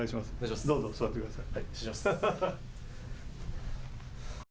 どうぞ、お座りください。